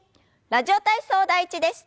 「ラジオ体操第１」です。